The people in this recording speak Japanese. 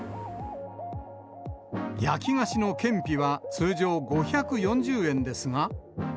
焼き菓子のケンピは、通常５４０円ですが。